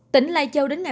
tỉnh lai châu đến ngày một